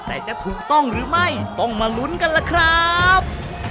แต่จะถูกต้องหรือไม่ต้องมาลุ้นกันล่ะครับ